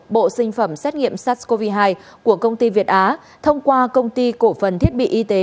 bộ sinh phẩm xét nghiệm sars cov hai của công ty việt á thông qua công ty cổ phần thiết bị y tế